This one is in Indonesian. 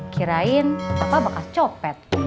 kirain papa bakal copet